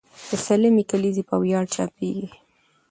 د سلمې کلیزې په ویاړ چاپېږي.